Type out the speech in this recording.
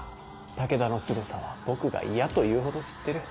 武田のすごさは僕が嫌というほど知ってる。